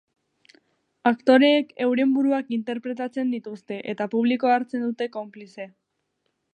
Aktoreek euren buruak interpretatzen dituzte eta publikoa hartzen dute konplize.